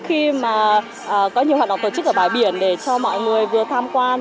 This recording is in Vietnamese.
khi mà có nhiều hoạt động tổ chức ở bãi biển để cho mọi người vừa tham quan